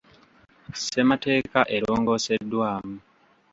Ssemateeka erongooseddwamu.